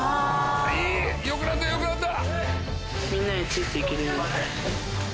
いいよくなったよくなった！